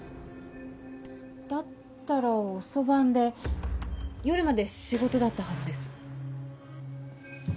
だったら遅番で夜まで仕事だったはずです。